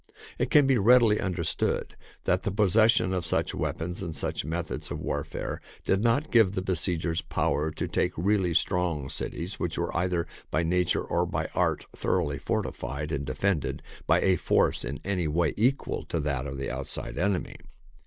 It can be readily understood that the possession of such weapons and such methods of warfare did not give the besiegers power to take really strong cities, which were either by nature or by art thor oughly fortified and defended by a force in any way equal to that of the outside enemy.